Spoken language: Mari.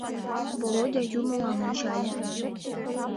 Володя юмоҥам ончале.